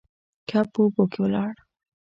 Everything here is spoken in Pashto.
کب په اوبو کې لاړ.